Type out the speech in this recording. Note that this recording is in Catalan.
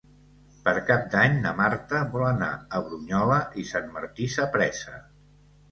Per Cap d'Any na Marta vol anar a Brunyola i Sant Martí Sapresa.